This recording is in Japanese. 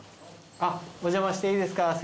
あっお邪魔していいですか？